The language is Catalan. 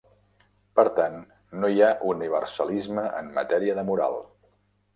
Per tant, no hi ha universalisme en matèria de moral.